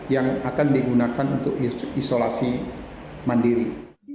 yang akan digunakan untuk isolasi mandiri